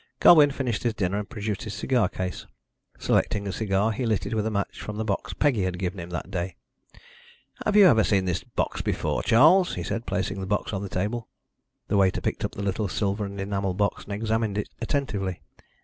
Colwyn finished his dinner and produced his cigar case. Selecting a cigar, he lit it with a match from the box Peggy had given him that day. "Have you ever seen this box before, Charles?" he said, placing the box on the table. The waiter picked up the little silver and enamel box and examined it attentively.